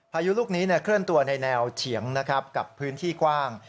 พายุลูกนี้เคลื่อนตัวในแนวเฉียงนะครับกับพื้นที่กว้าง